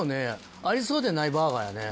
ありそうでないバーガーやね。